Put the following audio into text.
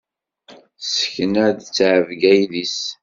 Tessekna ttɛebga idis.